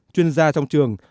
chuyên gia trong trường